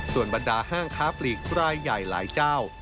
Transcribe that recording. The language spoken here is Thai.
ส่วนบรรดาห้างค้าปลีกรายใหญ่หลายเจ้า